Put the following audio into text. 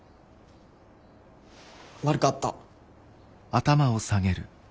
悪かった。